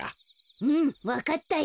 うんわかったよ。